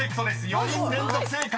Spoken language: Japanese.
４人連続正解］